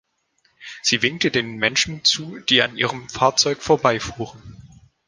Sie winkte den Menschen zu, die an ihrem Fahrzeug vorbeifuhren.